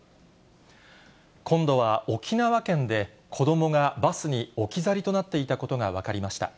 今度は沖縄県で、子どもがバスに置き去りとなっていたことが分かりました。